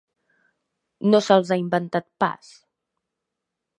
No se'ls ha inventat pas.